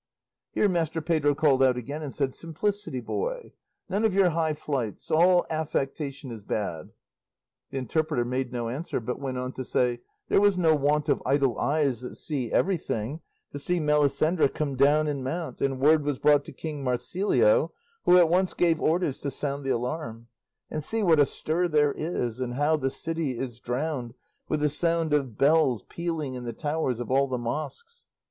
Here Master Pedro called out again and said, "Simplicity, boy! None of your high flights; all affectation is bad." The interpreter made no answer, but went on to say, "There was no want of idle eyes, that see everything, to see Melisendra come down and mount, and word was brought to King Marsilio, who at once gave orders to sound the alarm; and see what a stir there is, and how the city is drowned with the sound of the bells pealing in the towers of all the mosques."